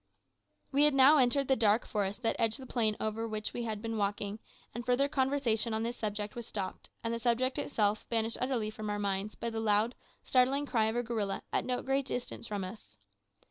We had now entered the dark forest that edged the plain over which we had been walking, and further conversation on this subject was stopped, and the subject itself banished utterly from our minds by the loud, startling cry of a gorilla at no great distance from us.